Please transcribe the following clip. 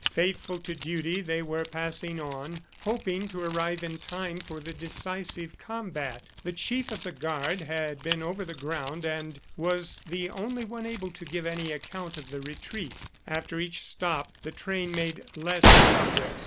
Faithful to duty, they were passing on, hoping to arrive in time for the decisive combat. The Chief of the Guard had been over the ground, and was the only one able to give any account of the retreat. After each stop the train made less progress.